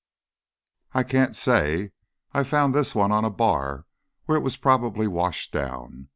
"I can't say. I found this one on a bar where it was probably washed down.